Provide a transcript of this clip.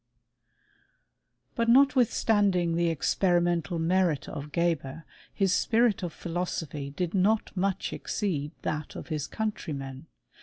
But notwithstanding the experimental merit of Gre ber, his spirit of philosophy did not much exceed that of his countrymen.